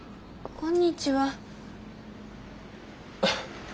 こんにちは。